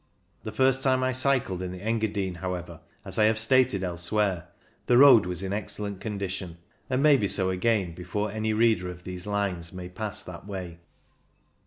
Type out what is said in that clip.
The first time I cycled in the Engadine, however, as I have stated elsewhere, the road was in excellent condition, and may be so again before any reader of these lines may pass that way.